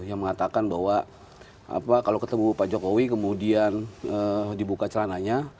yang mengatakan bahwa kalau ketemu pak jokowi kemudian dibuka celananya